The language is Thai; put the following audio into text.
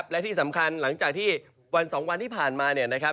และที่สำคัญหลังจากที่วันสองวันที่ผ่านมา